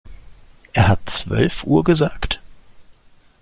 Er hat zwölf Uhr gesagt?